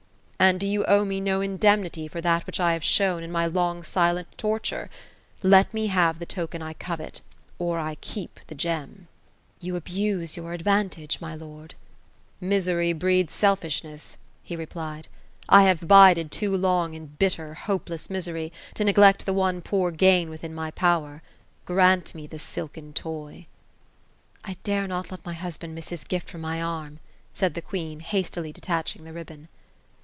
" And do you pwe me no indemnity for that which I have shown, in my long silent torture ? Let me havo the token I covet ; or I keep the gem." 262 OPHELIA ;'' You abuse your advantage, my lord." "^ Misery breeds selfishness ;" he replied. " I have abided too long in bitter, hopeless misery, to neglect the one poor gain within my power. Grant me the silken toy." ^^ I dare not let my husband miss his gift from my arm ;" said the queen, hastily detaching the ribbon.